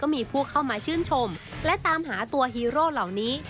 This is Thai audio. มีผู้เข้ามาชื่นชมและตามหาตัวฮีโร่เหล่านี้